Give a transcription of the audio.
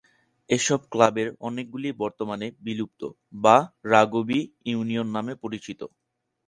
এসব ক্লাবের অনেকগুলিই বর্তমানে বিলুপ্ত বা রাগবি ইউনিয়ন নামে পরিচিত।